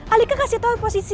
alika kasih tau posisinya